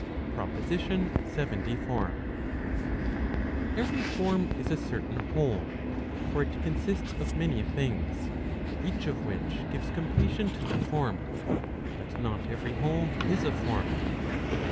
, t PROPOSITION LXXIV. livery form is a certain whole; for it consists of many things, each of which gives completion to the form. But not every whole is a form.